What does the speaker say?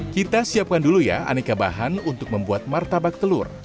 kita siapkan dulu ya aneka bahan untuk membuat martabak telur